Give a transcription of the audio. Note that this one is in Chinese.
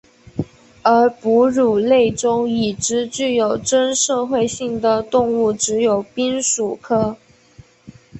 而哺乳类中已知具有真社会性的动物只有滨鼠科。